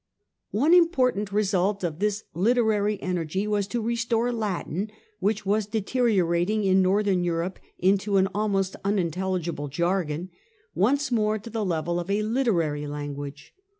One important result of this literary energy was to restore Latin, which was deteriorating in Northern Europe into an almost unintelligible jargon, once more to the level of a literary language.